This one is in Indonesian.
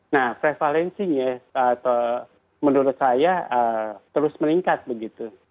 nah prevalensinya menurut saya terus meningkat begitu